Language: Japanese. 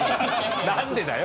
何でだよ！